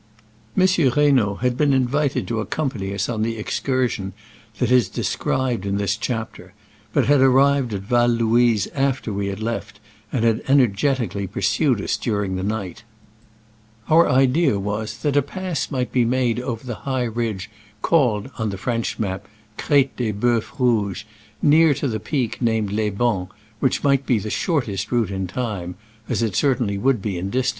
Monsieur Reynaud had been invited to accompany us on the excursion that is described in this chapter, but had ar rived at Val Louise after we had left, and had energetically pursued us during the night Our idea was, that a pass might be made over the high ridge call ed (on the French map) Crete de Boeufs Rouges, near to the peak named Les Bans, which might be the shortest route in time (as it certainly would be in dis Digitized by Google 92 SCRAMBLES AMONGST THE ALPS IN i86o '69.